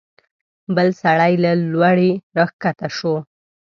بل سړی له لوړې راکښته شو.